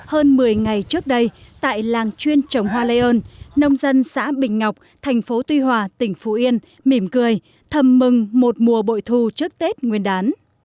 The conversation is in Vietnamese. hơn một mươi ngày trước đây tại làng chuyên trồng hoa lây ơn nông dân xã bình ngọc thành phố tuy hòa tỉnh phú yên mỉm cười thầm mừng một mùa bội thu trước tết nguyên đán